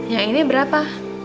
yang ini berapa